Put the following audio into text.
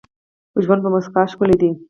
ژوند په مسکاوو ښکلی دي.